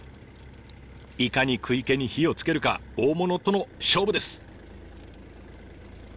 いかに食い気に火をつけるか大物との勝負です。